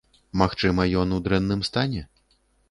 Магчыма, ён у дрэнным стане?